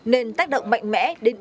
nên tác động mạnh mẽ đến